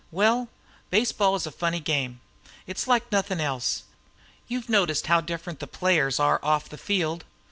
"Well, baseball is a funny game. It's like nothing else. You've noticed how different the players are off the field.